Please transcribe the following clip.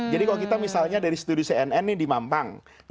jadi kalau kita misalnya dari studi cnn ini di mampang